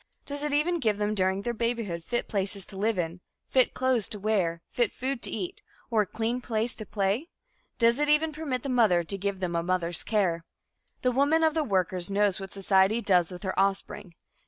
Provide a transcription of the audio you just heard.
Does it even give them during their babyhood fit places to live in, fit clothes to wear, fit food to eat, or a clean place to play? Does it even permit the mother to give them a mother's care? The woman of the workers knows what society does with her offspring.